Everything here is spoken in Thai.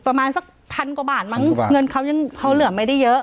ประมาณสักพันกว่าบาทมั้งเงินเขายังเขาเหลือไม่ได้เยอะ